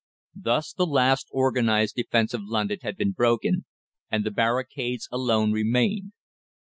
Thus the last organised defence of London had been broken, and the barricades alone remained.